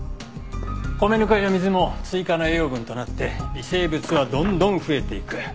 米ぬかや水も追加の栄養分となって微生物はどんどん増えていく。